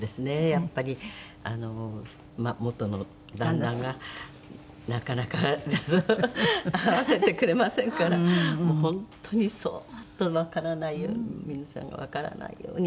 やっぱりあの元の旦那がなかなか会わせてくれませんから本当にそーっとわからないように皆さんがわからないように。